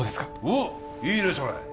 おっいいねそれ！